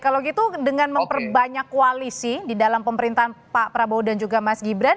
kalau gitu dengan memperbanyak koalisi di dalam pemerintahan pak prabowo dan juga mas gibran